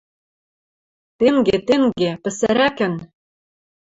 Тенге, тенге. Пӹсӹрӓкӹн...